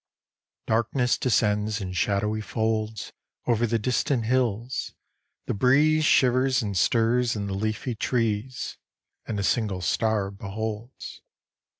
Darkness descends in shadowy folds Over the distant hills; the breeze Shivers and stirs in the leafy trees, And a single star beholds.